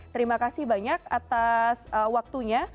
terima kasih banyak atas waktunya